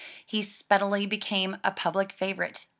He speedily became a public favorite.